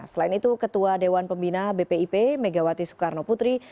selain itu ketua dewan pembina bpip megawati soekarno putri